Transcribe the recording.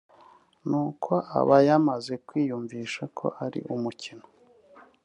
n’uko abayamaze kwiyumvisha ko ari umukino